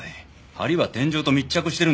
梁は天井と密着してるんです。